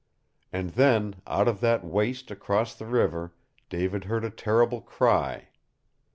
And then, out of that waste across the river, David heard a terrible cry.